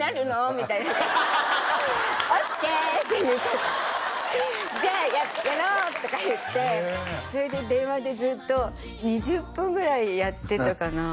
みたいな「オッケー！」って言って「じゃあやろう！」とか言ってそれで電話でずっと２０分ぐらいやってたかな？